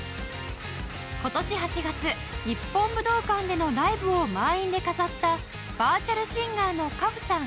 今年８月日本武道館でのライブを満員で飾ったバーチャルシンガーの花譜さん。